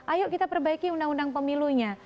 ayo kita perbaiki undang undang pemilunya